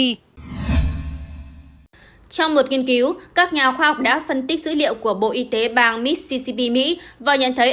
trong một nghiên cứu các nhà khoa học đã phân tích dữ liệu của bộ y tế bang missicp mỹ và nhận thấy